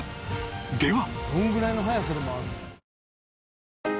では